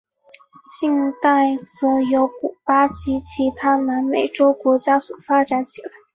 近代则由古巴及其他南美洲国家所发展起来。